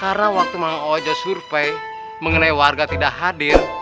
karena waktu mang ojo survei mengenai warga tidak hadir